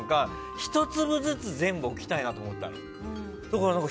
１粒ずつ全部置きたいなと思ったの。